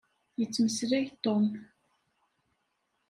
Yettmeslay Tom.